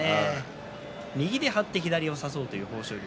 右で張って左を差そうという豊昇龍